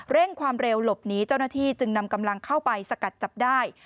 ความเร็วหลบหนีเจ้าหน้าที่จึงนำกำลังเข้าไปสกัดจับได้